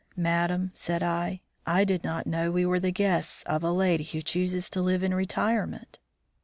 "Madame," said I, "I did not know we were the guests of a lady who chooses to live in retirement."